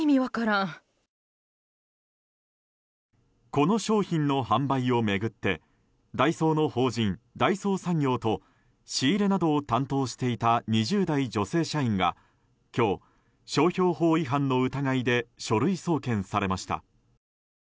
この商品の販売を巡ってダイソーの法人、大創産業と仕入れなどを担当していた２０代女性社員が今日、商標法違反の疑いで書類送検されました。